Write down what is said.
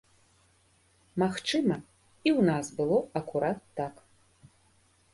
Магчыма, і ў нас было акурат так.